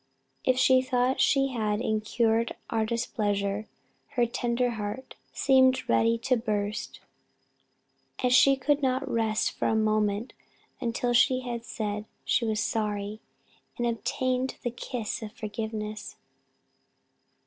If she thought she had incurred our displeasure, her tender heart seemed ready to burst; and she could not rest for a moment until she had said she was 'sorry,' and obtained the kiss of forgiveness.